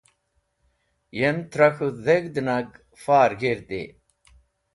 Yem tra k̃hũ dheg̃hd nag far g̃hirdi.